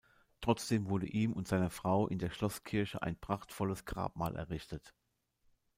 Trotzdem wurde ihm und seiner Frau in der Schlosskirche ein prachtvolles Grabmal errichtet.